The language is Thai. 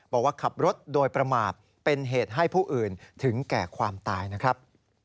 บอกว่าขับรถโดยประมาทเป็นเหตุให้ผู้อื่นถึงแก่ความตายนะครับ